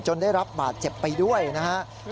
ได้รับบาดเจ็บไปด้วยนะครับ